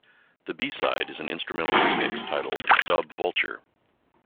The B-side is an instrumental remix titled "Dub-vulture".